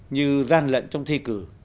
như gian lận trong thi cử